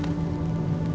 aku mau keluar dulu